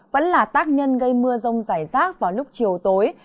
vẫn là tác nhân gây mưa rông rải rác vào lúc chiều tối